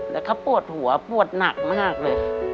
แล้วก็ปวดหัวปวดหนักมากเลย